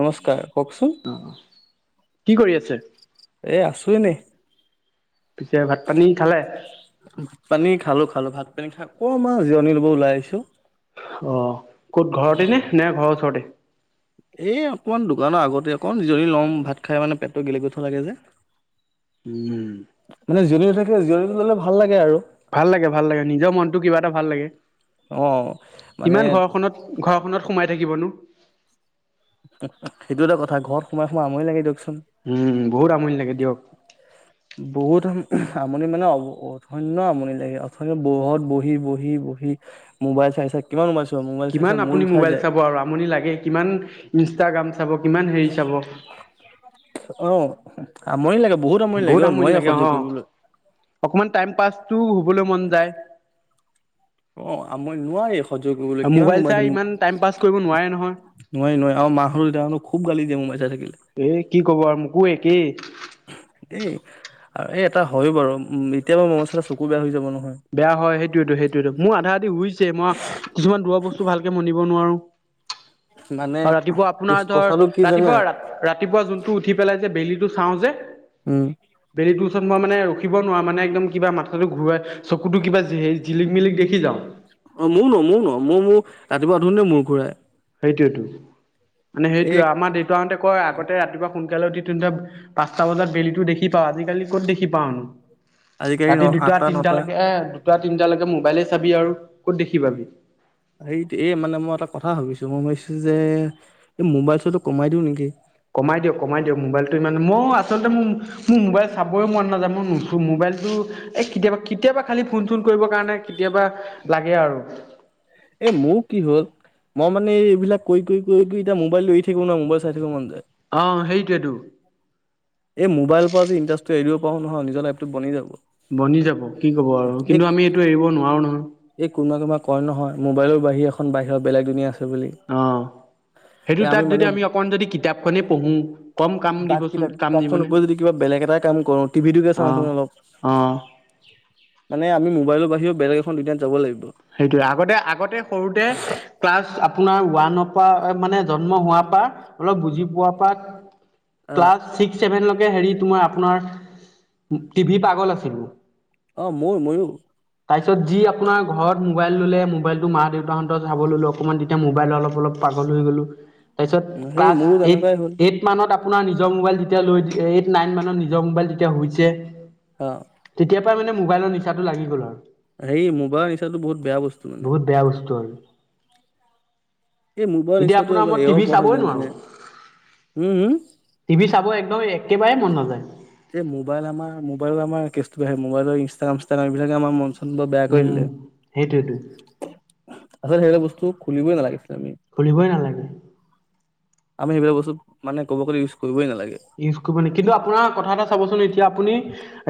নমস্কাৰ কওকচোন কি কৰি আছে? এ আছো আমি পিছে ভাত পানী খালে? আমি থাকো জিৰণি ল'ব ওলাই আহিছোঁ। অ ক'ত ঘৰতে নে নে ঘৰৰ ওচৰতে। এই অকমান দোকানৰ আগতে অকণ জিৰণী লম ভাত খাই মানে পেটটো গেলৈ গেথৈ লাগে যে উম, মানে জিৰণি থাকে জীয়ণীটো ল'লে ভাল লাগে আৰু। ভাল লাগে, ভাল লাগে। নিজৰ মনটো কিবা এটা ভাল লাগে, অ মানে ইমান ঘৰখনত ঘৰখনত। সোমাই থাকিব নো। উ সেইটো এটা কথা ঘৰত সোমাই সোমাই আমনি লাগে দিয়কচোন। উম বহুত আমনি লাগে দিয়ক । বহুত আমনি মানে অ' অধন্য আমনি লাগে অথনি বহুত বহি-বহি-বহি মোবাইল চাই চাই কিমান মোবাইল চাই চোৱা মোবাইল চাই কিমান মূৰ আপুনি বিষাই মোবাইল যায় চাব আৰু আমনি লাগে কিমান ইনষ্টাগ্ৰাম । চাব কিমান হেৰি চাব । অ আমনি লাগে । বহুত আমনি লাগে অ' অকমান টাইম পাছ । টো হ'বলৈ মন যায় । অ' আপুনি নোৱাৰে । আৰু মোবাইল চাই ইমান টাইম পাছ কৰিব নোৱাৰে নোৱাৰি নোৱাৰি আৰু মাহঁতো তেতিয়া খুব গালি দিয়ে মোবাইল চাই থাকিলে নহয় এ' কি কব আৰু মোকো একেই। এই এই এটা হয় বাৰু এতিয়া পৰা মোবাইল চালে চকু বেয়া হৈ যাব ন' । বেয়া হয় সেইটোৱেটো, সেইটোৱেটো মোৰ আধা আধি উইচ । মই কিছুমান দূৰৰ বস্তু ভালকে মনিব নোৱাৰো। [unintelligible] মানে আৰু ৰাতিপুৱা কি আপোনাৰ ধৰ কথাটো কি জানে ৰাতিপুৱা, ৰাতিপুৱা যোনটো উঠি পেলাই যে বেলিটো। চাও যে । উম'। তাৰপিছত মই মানে ৰখিব নোৱাৰো মানে একদম কিবা মাথাটো ঘূৰাই । চকুতো কিবা জিলিক, মিলিক দেখি যাও। অ' মোৰ নো মোৰ নো মই মোৰ ৰাতিপুৱা উঠোতে মূৰ ঘূৰাই। সেইটোৱেটো। মানে এই সেইটোয়ে আমাৰ দেউতাহঁতে কয় আগতে ৰাতিপুৱা । সোনকালে উঠিতো ইটা পাঁচটা বজাত বেলিটো দেখি পাও, আজিকালি ক'ত দেখি পাওনো । আজিকালি ন ৰাতি দুটা, আঠটা নটা তিনটালৈকে এ দুটা, তিনটা লৈকে মোবাইলে । চাবি আৰু ক'ত দেখি পাবি। এইটো এই মানে মই এটা কথা ভাবিছো মই ভাবিছো যে এই মোবাইল চোৱাটো কমাই দিও নেকি? কমাই দিয়ক, কমাই দিয়ক মোবাইলটো ইমানো মই আচলতে মোৰ মোবাইল চাবই মন নাযায়। মই নুচো মোবাইলটো কেতিয়া কেতিয়াবা খালি ফোন চোন কৰিব কাৰণে কেতিয়াবা লাগে আৰু এ মোৰ কি হ'ল মই মানে এইবিলাক কৰি-কৰি- কৰি-কৰি এতিয়া মোবাইল এৰি থাকিব নোৱাৰো মোবাইল চাই থাকিব মন যায়। অহ সেইটোৱেটো । এই মোবাইল পৰা যদি ইণ্টাৰেষ্টটো এৰিব পাৰো নহয় নিজৰ লাইফটো বনি যাব। বনি যাব কি ক'ব আৰু এই কিন্তু আমি এইটো এৰিব নোৱাৰো নহয় । এই কোনোবা কোনোবা কয় নহয় মোবাইলৰ বাহিৰেও এখন বাহিৰৰ বেলেগ দুনীয়া আছে। বুলি। অ' সেইটো এ তাত যদি মানে আমি অকণ যদি কিতাপখনে পঢ়ো কম কাম বাক দিবচোন । কিতাপ খনৰ উপৰিও যদি কিবা বেলেগ এটা কাম কৰো। টিভি তোকে অ চাওঁচোন অলপ। অ মানে, আমি মোবাইলৰ বাহিৰে বেলেগখন দুনিয়াত যাব লাগিব । সেইটোয়ে, আগতে, আগতে সৰুতে ক্লাছ। আপোনাৰ ওৱানৰ পৰা মানে জন্ম হোৱাৰ পৰা, অলপ বুজি পোৱাৰ পৰা। অ' ক্লাছ ছিক্স-ছেভেন ল কে হেৰি তোমাৰ- আপোনাৰ টিভি পাগল আছিলোঁ। অ', মই ময়ো - ময়ো । তাৰপিছত যি আপোনাৰ ঘৰত মোবাইল ল'লে, মোবাইলটো মা-দেউতাহঁত চাব লৈলোঁ অকণমান, তেতিয়া মোবাইল অলপ- অলপ পাগল হৈ গ'লোঁ। তাৰপিছত সেই ক্লাছ মোৰো এইট- তেনেকুৱাই হ'ল। এইট মানত আপোনাৰ নিজৰ মোবাইল তেতিয়া লৈ, এইট- নাইন মানৰ নিজৰ মোবাইল তেতিয়া হৈছে। অ'। তেতিয়াৰ পৰা মানে মোবাইলৰ নিচাতো লাগি গ'ল আৰু। এই মোবাইল সেইটো বহুত বেয়া বস্তু মানে। বহুত বেয়া বস্তু আৰু এই মোবাইলৰ এতিয়া নিচাটো আপোনাৰ এবাৰ মই এৰাব টিভি পৰা হয় চাবই যেন তেনে। নোৱাৰোঁ । উম হুম টিভি চাব একদম এক একেবাৰে মন নাযায়। এই মোবাইল আমাৰ- মোবাইল আমাৰ কেছটো বেয়া হে। মোবাইলৰ ইনষ্টাগ্ৰাম-চিষ্টাগ্ৰাম এইবিলাকে আমাৰ মন-চন বৰ বেয়া কৰি উম দিলে। সেইটোৱেতো আচলতে সেইবিলাক বস্তু খুলিবই নালাগিছিলে খুলিবই নালাগে। আমি সেইবোৰ বস্তু, মানে কব গ'লে, ইউছ কৰিবই নালাগে। ইউজ কৰিব নে- কিন্তু আপোনাৰ কথা এটা চাবচোন, এতিয়া আপুনি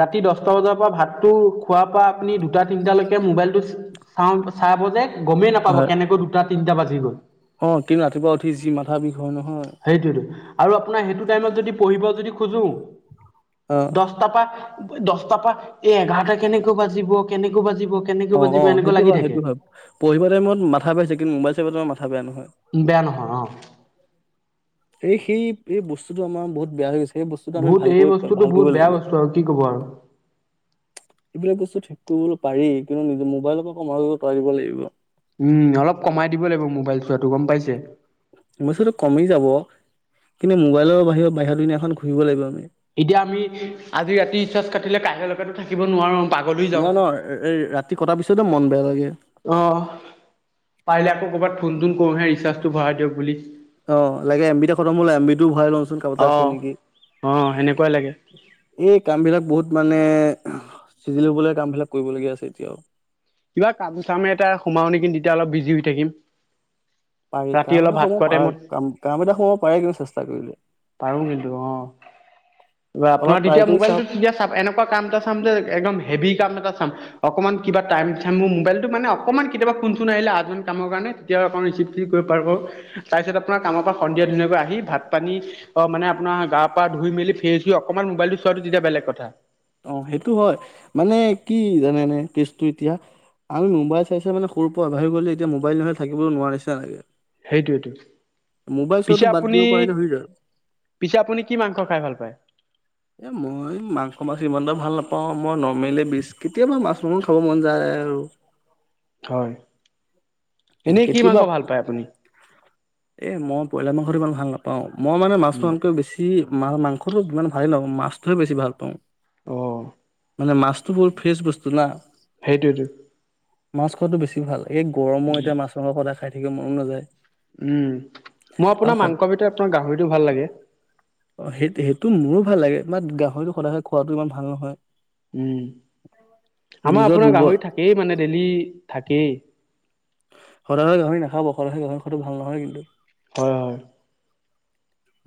ৰাতি দশ টা বজাৰ পৰা ভাতটো খোৱাৰ পৰা আপুনি দুটা-তিনিটালৈ কে মোবাইলটো চাওঁ- চাব যে গমেই নাপাব কেনেকৈ দুটা-তিনিটা বা [unintelligible] হয়। কিন্তু, ৰাতিপুৱা উঠি যি মাথা বিষ হয় নহয় সেইটোৱেতো । আৰু আপোনাৰ সেইটো টাইমত যদি পঢ়িব যদি খোজোঁ অ দশটাৰ পা দশটাৰ পৰা এই এঘাৰটা কেনেকৈ বাজিব, কেনেকৈ বাজি অ'-অ' সেইটো হয় । সেইটো হয় ।পঢ়িব টাইমত মাথা পাইছে। কিন্তু মোবাইল চাবৰ টাইমত মা বেয়া নহয় অ'। এই সেই- এই বস্তুটো আমাৰ বহুত বেয়া হৈ গৈছ বহুত এই বস্তুটো বহুত বেয়া বস্তু আৰু কি কব আৰু। এইবিলাক বস্তু ঠিক কৰিবলৈ পাৰি । কিন্তু নিজে মোবাইলকো কমাই দিব পাৰিব লাগিব। উম, অলপ কমাই দিব লাগিব মোবাইল চোৱাটো, গম পাইছে? সমস্যাটো কমি যাব। কিন্তু মোবাইলৰ বাহিৰ- বাহিৰৰ দুনীয়াখন ঘূৰিব লাগিব আমি। এতিয়া আমি আজি ৰাতি ৰিচাৰ্জ কাটিলে। ক বাহে লগেতো থাকিব নোৱাৰো। পাগল হৈ যাওঁ। নহ নহয় এই ৰাতি কটা পিছ চয়া মন বেয়া লাগে। অ' পাৰিলে আকৌ কৰবাত ফোন তোন কৰোহে ৰিচাৰ্জটো ভৰাই দিয়ক বুলি। অ' লাগে এমবিতে খতম হল এম বি ও ভৰাই লওঁচোন কাবাতাত আছে অ'। নেকি? অ' সেনেকুৱাই লাগে এই কাম বিলাক বহুত মানে চিজিল হ'বলৈ কামবিলাক কৰিবলগীয়া আছে এতিয়া আৰু কিবা কাম চামে এটা সোমাও নেকি তেতিয়া অলপ বিজি হৈ থাকিম। পাৰি ৰাতি কাম অলপ এটা ভাত সোমাব খোৱা পাৰা টাইমত কাম কাম এটা সোমাব পাৰে কিন্তু চেষ্টা কৰিলে। পাৰো কিন্তু অ' অলপ আপোনাৰ ট্ৰাই তেতিয়া কৰি মোবাইলটো চাওক তেতিয়া এনেকুৱা কাম এটা চাম যে একদম হেভি কাম এটা। অকমান কিবা টাইম চাইম মোৰ মোবাইলটো মানে অকণমান কেতিয়াবা ফোনচোন আহিলে আ এজন কামৰ কাৰণে তেতিয়াও আক ৰিচিভ চ কৰিব পাৰ তাৰপিছত আপোনাৰ কামৰ পৰা সন্ধিয়া ধুনীয়াকৈ আহি ভাত পানী অ' মানে আপোনাৰ গা পৰা ধই মেল ফেছু অকণমান মোবাইলটো চোৱাটো তেতিয়া বেলেগ কথা অ' সেইটো হয় মানে কি জানে এনে কেছটো এতিয়া আমি মোবাইল চাই চাই মানে সৰুৰ পৰা আগবাঢ়ি গ'লে এতিয়া মোবাইল মোবাইল থাকিবলৈ নোৱাৰিছে এনেকে সেইটোৱেইটো পিছে চোৱাটো বাদ দিব আপুনি পাৰিলে হৈ যায়। পিছে আপুনি কি মাংস খাই ভাল পায়। এ মই মাংস মাছ ভাল নাপাওঁ। মই নৰ্মিলে বিজ কেতিয়াবা মাছ মাংস খাব মন যায় আৰু। হয়। এনেই কি মাংস কেতিয়াবা ভাল পায় আপুনি। এ মই বইলা মাংসটো ইমান ভাল নাপাওঁ‌। মই মানে মাছ উম, মনকে বেছি। মা মাংসটো যিমান ভালেই লওঁ মাছটোহে বেছি ভাল পাওঁ। আহ। মানে মাছটোবোৰ ফ্ৰেছ বস্তু না। সেইটোয়েটো। মাছ খোৱাটো বেছি ভাল। এই গৰমত খ পদা খাই থাকে মন নাযায়। উম মই আৰু আপোনাৰ স মাংস ভিতৰত আপোনাৰ গাহৰিটো ভাল লাগে। সেই সেইটো মোৰো ভাল লাগে বাত গাহৰিটো সদায় খোৱাটো ইমান ভাল নহয়। উম আমাৰ নিজৰ আপোনাৰ দুৰ্বল গাহৰি থাকেই মানে ডেইলি থাকেই। সদায় সদায় গাহৰি নাখাব। সে গাহৰি খোৱাটো ভাল নহয় কিন্তু। হয় হয়।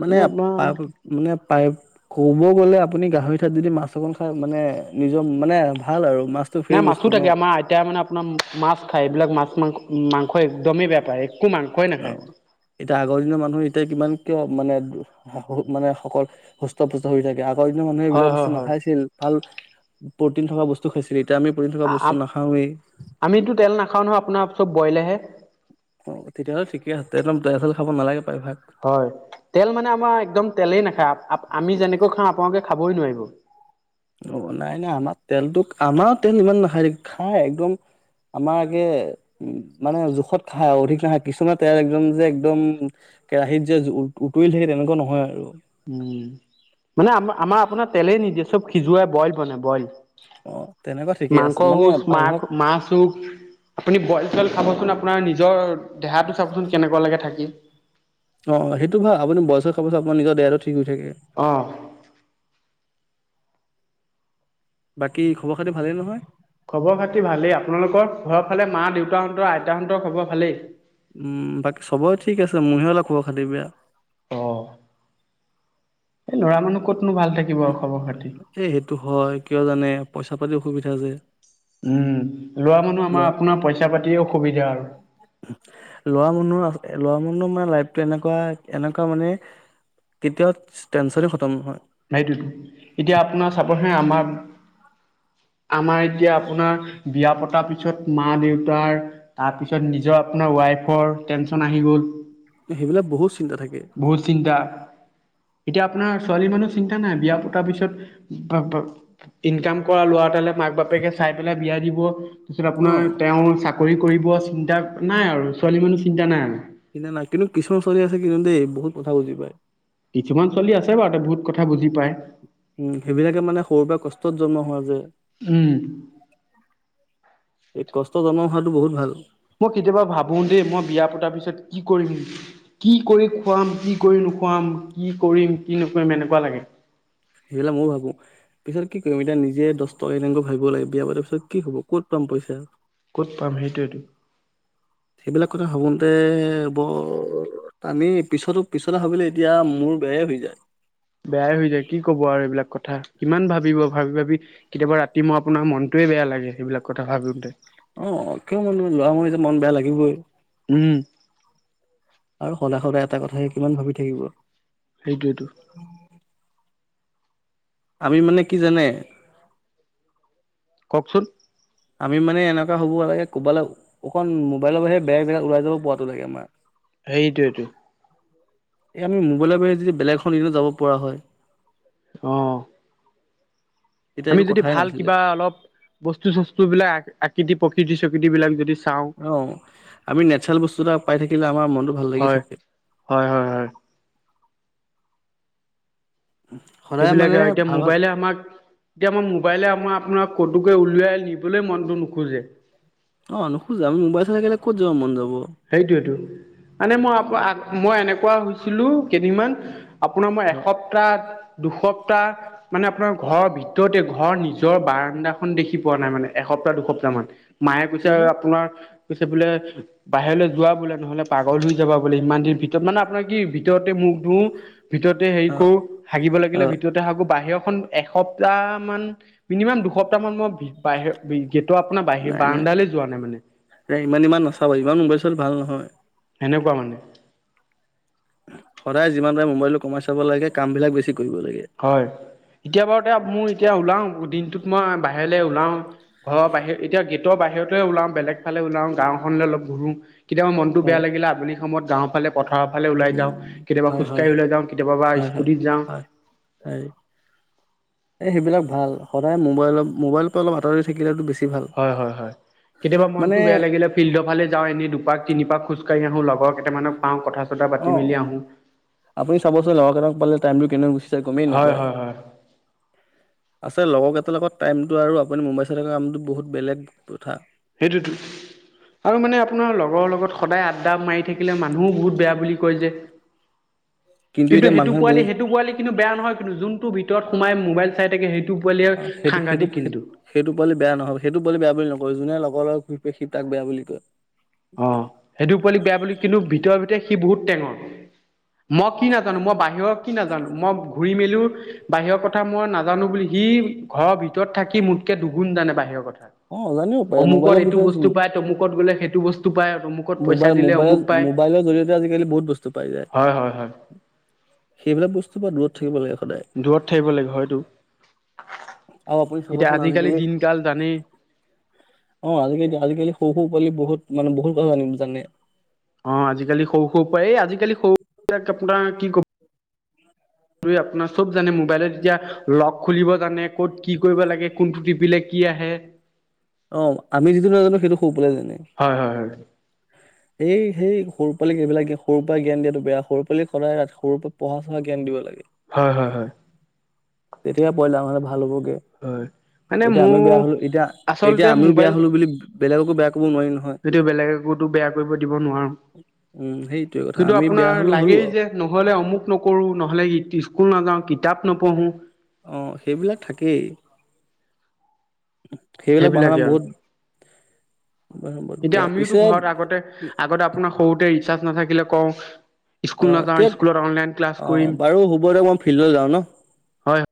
মানে প মানে। পাই ক'ব গ'লে আপুনি গাহৰি ঠাইত যদি মাছ অকন খায় মানে নিজৰ মানে ভাল আৰু। মাছটো ফ্ৰেছ নাই মাছো বস্তু ন থাকে আমাৰ আইতাই মানে আপোনাৰ ঠাস মাছ খায় এইবিলাক মাছ মাংস মাংস একদমেই বেয়া পায়। মাংসই নাখায় অ' এতিয়া আগৰ দিনৰ মানুহে এতিয়া কিমান কিয় মানে বহুত মানুহে সকল সুস্থ-পুস্থ হৈ থাকে আক ফলাদি মানুহে এইবিলাক হয় বস্তু হয় হয় নাখাইছিল ভাল প্ৰটিন থকা বস্তু খাইছিলি। আ আ আম আমিতো তেল নাখাও নহয় আপোনাৰ চব বইলয়েহে। অ, তেতিয়াহ'লে ঠিকেই আছে, একদম তেল-চেল খাব নালাগে ন হয় তেল মানে আমাৰ একদম তেলেই নেখায় আপ আপ আমি যেনেকৈ খাওঁ আপোনালোকে খাবই নোৱাৰিব। অ নাই নাই আমাৰ তেলটোত আমাৰ তেল ইমান নাখায় দেই। খাই একদম আমাৰ আগে উ মানে জোখত খাওঁ অধিক নাখায় কিছুমান তেল একদম যে একদম কেৰাহিত যে উতৰি থাকে তেনেকুৱা নহয় আৰু। উ উ উ মানে আম আমাৰ আপোনাৰ তেলেই নিদিয়ে চব সিজুৱাই বইল বনাই বইল। অ তেনেকুৱা ঠিকেই আছে মাংস মানে হুছ মাক প্ৰায়ভাগ মাছ হোক আপুনি বইল চইল খাবচোন আপোনাৰ নিজৰ দেহাটো চাওকচোন কেনেকুৱা লাগে থাকি। অ অ সেইটো ভাল আপুনি বয়ল-চয়েল খাবচোন আপোনাৰ নিজৰ দেহাটো ঠি ঠিক হৈ থাকে। অ বাকী খবৰ খাতি ভালেই নহয়? খবৰ খাতি ভালেই। আপোনালোকৰ ঘৰৰ ফালে মা দেউতাহঁতৰ আইতাহঁতৰ খবৰ ভালেই? উম বাকী চবৰে ঠিক আছে। মোৰহে অলপ খবৰ-খাতি বেয়া। অ। এই ল'ৰা মানুহ ক'তনো ভাল থাকিব খবৰ খাতি। এ সেইটো হয় কিয় জানে পইচা পাতি অসুবিধা যে, উম । ল'ৰা আৰু ল'ৰা মানুহ আছে লৰা মানুহ মানে লাইফ তেনেকুৱা এনেকুৱা মানে কেতিয়াও টেনচনে খতম নহয় । সেইটোতো এতিয়া আপোনাৰ চাবহে আমাৰ, আমাৰ এতিয়া আপোনাৰ বিয়া পতাৰ পিছত মা দেউতাৰ, তাৰপিছত নিজৰ আপোনাৰ ৱাইফৰ টেনচন আহি গ'ল। সেইবিলাক বহুত চিন্তা থাকে। বহুত চিন্তা এতিয়া আপোনাৰ ছোৱালী মানুহ চিন্তা নাই । বিয়া পতাৰ পিছত বু ডট ডট ইনকাম কৰা ল'ৰা এটালে মাক বাপেকে চাই পেলাই বিয়া দি ক'ত? তাৰপিছত অ আপোনাৰ তেওঁৰ চাক চাকৰি কৰিব চিন্তা নাই আৰু ছোৱালী মানুহ চিন্তা নাই আৰু কিনা নাই, কিন্তু কিছুমান ছোৱালী আছে কিন্তু দেই বহুত কথা বুজি পায়। কিছুমান ছোৱালী আছে বাৰু ত বহুত কথা বুজি পায়। উম সেইবিলাকে মানে সৰুৰ পৰা কষ্টত জন্ম হোৱা যে, উম এই কষ্ট জন্ম হোৱা বহুত ভাল মই কেতিয়াবা ভাবো দেই, মই বিয়া পতাৰ পিছত কি কৰিম? কি কৰি খুৱাম? কি কৰি নোখুৱাম? কি কৰিম? কি নকৰিম? এনেকোৱা লাগে। সেইবিলাক ময়ও ভাবো। পিছত কি কৰিম এতিয়া নিজে দছ টকা এনেকৈ ভাবিব লাগে, বিয়া পাতাৰ পিছত কি হ'ব? কত পাম পইচা? ক'ত পাম সেইটোৱেতো! সেইবিলাক কথা ভাবোতে, বৰ আমি পিছৰতো পিছতে ভাবিলে, এতিয়া মূৰ বেয়া হৈ যায়। বেয়াই হৈ যায় কি ক'ব আৰু এইবিলাক কথা! কিমান ভাবিব? ভাবি-ভাবি কেতিয়াবা ৰাতি মই আপোনাৰ মনটোৱে বেয়া লাগে, সেইবিলাক কথা ভাবোতে অ' কিয় মানে, ল'ৰা মানুহ যে মন বেয়া লাগিবই। উম। আৰু সদায় সদায় এটা কথাকে কিমান ভাবি থাকিব? সেইটোৱেটো। আমি মানে কি জানে? কওঁকচোন। আমি মানে এনেকুৱা হ'ব লাগে, ক'ৰবালে অকণ মোবাইলৰ বাহিৰে, বেলেগ জেগাত ওলাই যাব পোৱাতো লাগে আমাৰ। সেইটোৱেইটো। এ আমি মোবাইলৰ বাবে যদি বেলেগ এখন দিনত যাব পৰা হয়। অ'। তেতিয়া আমি একো যদি কথাই ভাল নাছিলে কিবা অল, বস্তু বস্তুবিলাক আকৃতি, প্ৰকৃতি, চকৃতিবিলাক যদি চাওঁ অ', আমি নেচাৰেল বস্তু এটা পাই থাকিলে আমাৰ মনটো ভাল লাগি হয় থাকে। হয় হয় হয় সদায় মানে সেইবিলাকে আৰু, এতিয়া ভাল ভাল মোবাইলে আমাক, এতিয়া আমাৰ মোবাইলে আমাৰ আপোনাৰ ক'তোকে উলিয়াই নিবলৈ মনটো নোখোজে। অ' নোখোজে, আমি মোবাইল চাই থাকিলে ক'ত যাব মন যাব? সেইটোৱেটো। মানে মই অ আ-মই এনেকুৱা হৈছে। ছিলো, কেইদিনমান আপোনাৰ মই এসপ্তাহ দুসপ্তাহ, মানে আপোনাৰ ঘৰৰ ভিতৰতে, ঘৰৰ নিজৰ বাৰাণ্ডাখন দেখি পোৱা নাই মানে! এসপ্তাহ-দুসপ্তাহমান মায়ে কৈছে, কিয় বা আপোনাৰ কৈছে বোলে! বাহিৰলৈ যোৱা বোলে, নহ'লে পাগল হৈ যাবা বোলে! ইমান দিন ভিত ভ মানে আপোনাৰ কি, ভিতৰতে মুখ ধুও, ভিতৰতে হেৰি অ কৰো, হাগিব অ লাগিলে ভিতৰতে হাগো। বাহিৰৰ এখন এসপ্তাহমান মিনিমাম দুসপ্তাহমান মই বাহিৰ-গেটৰ আপোনাৰ বাহিৰ নাই নাই বাৰাণ্ডালৈ যোৱা নাই মানে! এ ইমান ইমান নাচাবা, ইমান মোবাইল চোৱাতো ভাল নহয়। সেনেকোৱা মানে। সদায় যিমান পাৰে, মোবাইলটো কমাই চাব লাগে। কামবিলাক বেছি কৰিব লাগে। হয়। এতিয়া বাৰু তে মোৰ এতিয়া ওলাও। দিন তোক মই বাহিৰলৈ ওলাও। ঘৰৰ বাহিৰে এতিয়া গেট ৰ বাহিৰতে ওলাও, বেলেগ ফালে ওলাও, গাঁওখনলৈ অলপ ঘূৰোঁ। কেতিয়াবা মনটো বেয়া হয়। লাগিলে আবেলি সময়ত গাঁওফালে পথাৰৰ ফালে ওলাই যাওঁ উম কেতিয়াবা হয় হয় খোজকাঢ়ি ওলাই যাওঁ কেতিয়াবা বা স্কুটিত যাওঁ [unintelligible] এই এই সেইবিলাক ভাল সদায় মোবাইলত মোবাইলৰ পৰা অলপ আঁতৰি থাকিলেতো বেছি ভাল। হয় হয় হয় কেতিয়াবা মানে মনতটো বেয়া লাগিলে ফিল্ডৰ ফালে যাওঁ এনেই দুপাক তিনিপাক খোজ কাঢ়ি আহো লগৰ কেইটামানক পাওঁ কথা চথা পাতি অ মেলি আহোঁ আপুনি চাবচোন লগৰ কেইটাক পালে টাইমটো কেনেকে গুচি যায় গমেই হয় নাপায় হয় হয় আছে লগৰকেইটা লগত টাইমটো আৰু আপুনি মোবাইল চাই থকা কামটো বহুত বেলেগ কথা সেইটোতো আৰু মানে আপোনাৰ লগৰ লগত সদায় আড্ডা মাৰি থাকিলে মানুহো বহুত বেয়া বুলি কয় যে কিন্তু এতিয়া সেইটো মানুহে পোৱালি বুজি সেইটো পোৱালি কিন্তু বেয়া নহয় কিন্তু যোনটো ভিতৰত সোমাই মোবাইল চাই থাকে সেইটো পোৱালিয়ে অ সেইটো সেইটো সাংঘাতিক কিন্তু সেইটো পোৱালি বেয়া নহয় সেইটো পোৱালি বেয়া বুলি নকয় যোনে লগ লগৰৰ লগত ঘূৰি ফুৰে তাক বেয়া বুলি কয় অ সেইটো পোৱালি বেয়া বুলি কিন্তু ভিতৰি ভিতৰি সি বহুত টেঙৰ মই কি নাজানো মই বাহিৰৰ কি নাজানো মই ঘুৰি মেলিও বাহিৰৰ কথা মই নাজানো বুলি সি ঘৰৰ ভিতৰত থাকি মোতকে দুগুণ জানে বাহিৰৰ কথা অ জানিব পাৰে অমুকত মোবাইলৰ এইটো বিষয়ে বস্তু পাই তমুকত গ'লে সেইটো বস্তু পায় অমুকত পইচা মোবাইল দিলে মোবাইল অমুক পায় মোবাইলৰ জৰিয়তে আজিকালি বহুত বস্তু পাই যায় হয় হয় হয় সেইবিলাক বস্তু পা দূৰত থাকিব লাগে সদায় দূৰত থাকিব লাগে হয়টো আৰু আপুনি এতিয়া চাবচোন আজিকালি দিন কাল জানেই অ আজিকালি আজিকালি সৰু সৰু পোৱালি বহুত মানে বহুত জানে [unintelligible] অ আজিকালি সৰু সৰু পৰা এই আজিকালি সৰু বিলাক আপোনাৰ কি কব আপোনাৰ চব জানে মোবাইলত এতিয়া লক খুলিব জানে ক'ত কি কৰিব লাগে কোনটো টিপিলে কি আহে অ আমি যিটো নাজানো সেইটো সৰু পাই জানে হয় হয় হয় সেই সেই সৰু পালিক এইবিলাক সৰুৰ পৰা জ্ঞান দিয়া বেয়া সৰু পালিক সদায় ৰা সৰুৰ পৰা পঢ়া শুনা জ্ঞান দিব লাগে হয় হয় হয় তেতিয়া পোৱালি ডাঙৰ হলে ভাল হ'ব হয় মানে মোৰ এতিয়া এতিয়া আচলতে আমিও বেয়া মোবাইল হলো বুলি বেলেগকো বেয়া কৰি সেইটো বেলেগে কতো বেয়া কৰিব দিব নোৱাৰো। উম সেইটোৱে কথা কিন্তু আমি বেয়া আপোনাৰ হলো হলো লাগেই আৰু যে নহলে অমুক নকৰো নহলে স্কুল নাযাও। কিতাপ নপঢ়ো। আহ সেইবিলাক থাকেই। সেইবিলাক বাহানা সেইবিলাকে আৰু বহুত ।এতিয়া বেয়া আমিওতো পিছে ঘৰত আগতে আগতে আপোনাৰ সৰুতে ৰিচাৰ্জ নাথাকিলে কওঁ স্কুল অ' নাযাওঁ তেতিয়া, স্কুলত অনলাইন ক্লাছ কৰিম অ' বাৰু হ'ব দে মই ফিল্ডলৈ যাওঁ ন? হয়